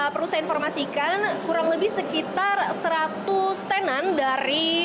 perlu saya informasikan kurang lebih sekitar seratus tenan dari